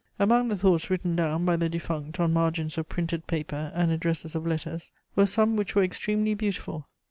Among the thoughts written down by the defunct on margins of printed paper and addresses of letters were some which were extremely beautiful.